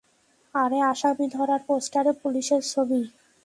আরে আসামী ধরার পোস্টারে, পুলিশের ছবি?